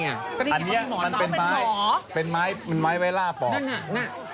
อันนี้มันเป็นไม้มันไม้ไว้ล่าปอก